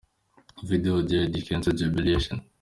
Video Of The Year Eddy Kenzo – Jubilation.